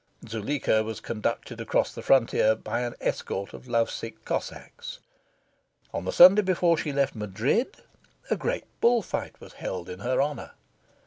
Zuleika was conducted across the frontier, by an escort of love sick Cossacks. On the Sunday before she left Madrid, a great bull fight was held in her honour.